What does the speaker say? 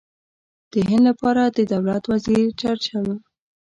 د هند لپاره د دولت وزیر چرچل.